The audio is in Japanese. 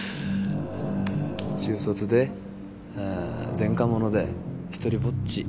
中卒で前科者で独りぼっち。